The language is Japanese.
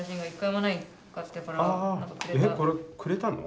えっこれくれたの？